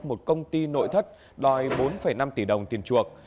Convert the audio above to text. một công ty nội thất đòi bốn năm tỷ đồng tiền chuộc